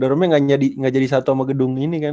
dorongnya gak jadi satu sama gedung ini kan